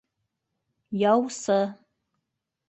Яусы